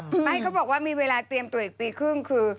ไม่เขาบอกว่ามีเวลาเตรียมตัวอีกปีครึ่งคือ